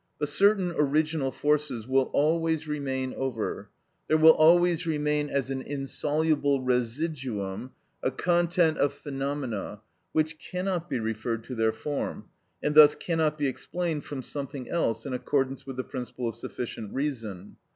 But certain original forces will always remain over; there will always remain as an insoluble residuum a content of phenomena which cannot be referred to their form, and thus cannot be explained from something else in accordance with the principle of sufficient reason.